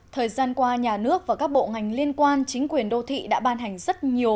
thời gian qua nhà nước và các bộ ngành liên quan chính quyền đô thị đã ban hành rất nhiều